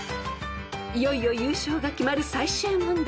［いよいよ優勝が決まる最終問題］